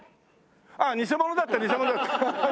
あっ偽者だった偽者だった。